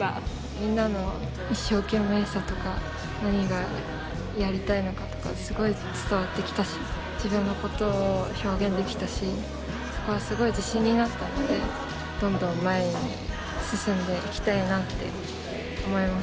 みんなの一生懸命さとか何がやりたいのかとかすごい伝わってきたし自分のことを表現できたしそこはすごい自信になったのでどんどん前に進んでいきたいなって思います。